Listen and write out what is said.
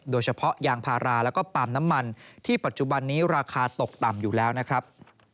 โดยเฉพาะยางพาราแล้วก็ปาล์มน้ำมันที่ปัจจุบันนี้ราคาตกต่ำอยู่แล้วนะครับ